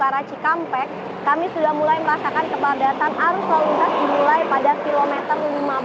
arah cikampek kami sudah mulai merasakan kepadatan arus lalu lintas dimulai pada kilometer lima belas